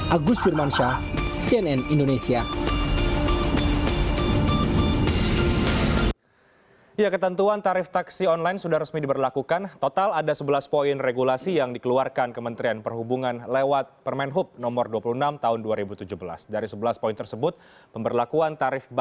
agus firman shah cnn indonesia